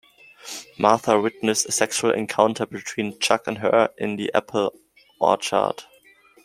Martha witnessed a sexual encounter between Chuck and her in the apple orchard.